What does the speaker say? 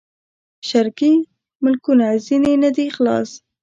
شرقي ملکونه ځنې نه دي خلاص.